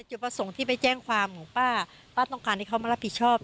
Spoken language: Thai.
จุดประสงค์ที่ไปแจ้งความป้าป้าต้องการให้เขามารับผิดชอบ